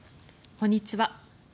こんにちは。